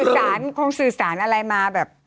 สารคงสื่อสารอะไรมาแบบ